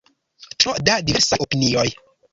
Tro da diversaj opinioj.